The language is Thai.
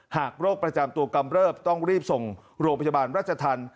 โรคประจำตัวกำเริบต้องรีบส่งโรงพยาบาลราชธรรม